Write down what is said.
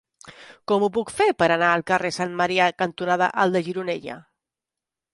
Com ho puc fer per anar al carrer Sant Marià cantonada Alt de Gironella?